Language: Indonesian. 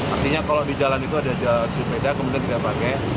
artinya kalau di jalan itu ada jalur sepeda kemudian kita pakai